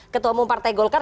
ketua umum partai golkar